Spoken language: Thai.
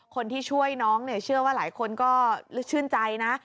คนที่ช่วยน้องเนี่ยเชื่อว่าหลายคนก็ชื่นใจนะ